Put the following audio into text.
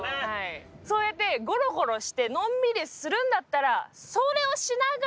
そうやってゴロゴロしてのんびりするんだったら今日は伝授します。